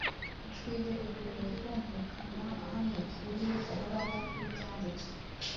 Ijwi rye rikwiriye kumvikana ahamya ukuri guhoraho kw’Ibyanditswe.